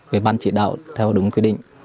về ban chỉ đạo theo đúng quy định